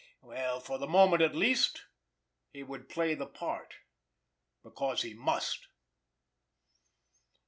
Well, for the moment, at least, he would play the part—because he must.